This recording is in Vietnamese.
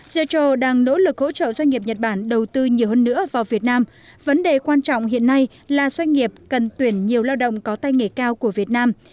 các doanh nghiệp nhật bản đầu tư nhiều hơn nữa vào việt nam vấn đề quan trọng hiện nay là doanh nghiệp cần tuyển nhiều lao động có tay nghề cao của việt nam